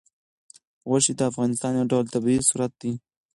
غوښې د افغانستان یو ډول طبعي ثروت دی.